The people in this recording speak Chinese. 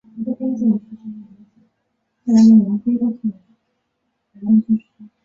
而随着人口增长以及交通的快速发展亦会带来许多相应的新型住宅区。